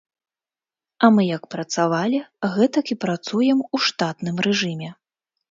А мы як працавалі, гэтак і працуем у штатным рэжыме.